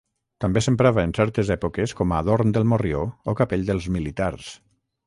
També s'emprava en certes èpoques com a adorn del morrió o capell dels militars.